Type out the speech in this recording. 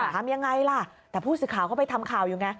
ถามยังไงล่ะแต่ผู้ศึกขาวเข้าไปทำข่าวอยู่ไง